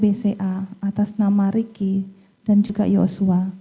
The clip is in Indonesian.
bisa terlihat bahwa itu adalah dana dana yang diperlukan oleh dari ricky dan joshua